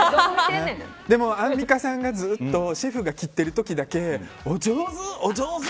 でもアンミカさんがずっとシェフが切ってる時だけお上手！